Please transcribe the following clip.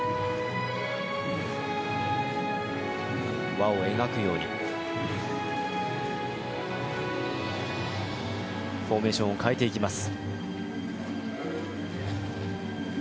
輪を描くようにフォーメーションを変えていきます。